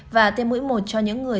và tiêm mũi một cho những người